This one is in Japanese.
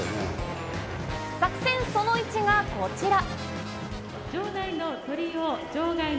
作戦その１がこちら。